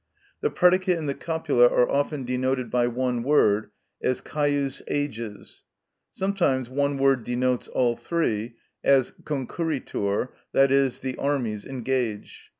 The predicate and the copula are often denoted by one word, as "Caius ages;" sometimes one word denotes all three, as concurritur, i.e., "the armies engage."